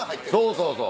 そうそうそう。